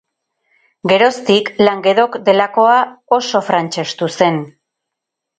Geroztik Languedoc delakoa oso frantsestu zen.